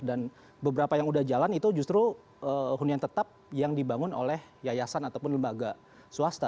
dan beberapa yang udah jalan itu justru hunian tetap yang dibangun oleh yayasan ataupun lembaga